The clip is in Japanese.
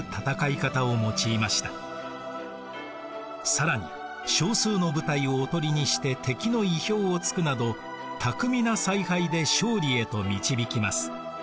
更に少数の部隊をおとりにして敵の意表をつくなど巧みな采配で勝利へと導きます。